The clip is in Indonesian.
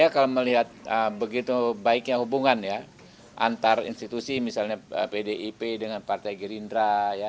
kalau melihat begitu baiknya hubungan ya antar institusi misalnya pdip dengan partai gerindra